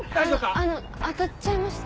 あの当たっちゃいました？